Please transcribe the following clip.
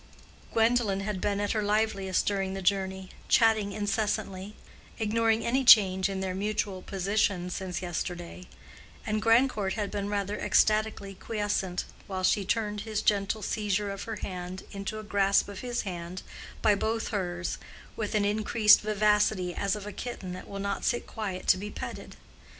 Gwendolen had been at her liveliest during the journey, chatting incessantly, ignoring any change in their mutual position since yesterday; and Grandcourt had been rather ecstatically quiescent, while she turned his gentle seizure of her hand into a grasp of his hand by both hers, with an increased vivacity as of a kitten that will not sit quiet to be petted.